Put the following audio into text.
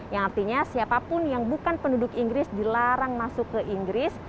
yang artinya siapapun yang bukan penduduk inggris dilarang masuk ke inggris